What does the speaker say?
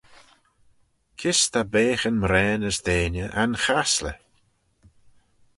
Kys ta beaghyn mraane as deiney anchasley?